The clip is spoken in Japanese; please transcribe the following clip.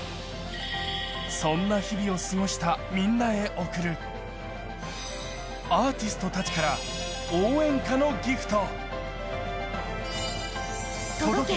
そんな日々を過ごしたみんなへ贈るアーティストたちから応援歌のＧＩＦＴ。